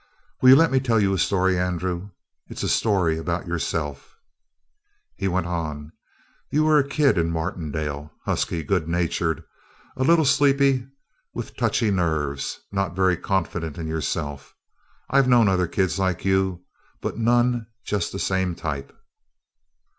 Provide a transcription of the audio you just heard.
"Will you let me tell you a story, Andrew? It's a story about yourself." He went on: "You were a kid in Martindale. Husky, good natured, a little sleepy, with touchy nerves, not very confident in yourself. I've known other kids like you, but none just the same type.